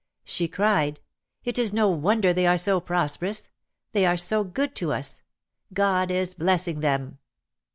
She cried, "It is no wonder they are so prosperous. They are so good to us ! God is blessing them